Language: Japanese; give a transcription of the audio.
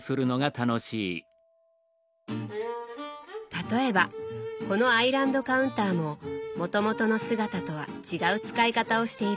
例えばこのアイランドカウンターももともとの姿とは違う使い方をしているそうです。